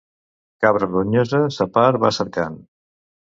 Cabra ronyosa sa par va cercant.